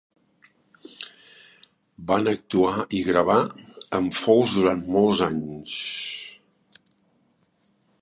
Van actuar i gravar amb Folds durant molts anys.